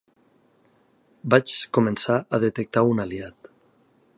Vaig començar a detectar un aliat.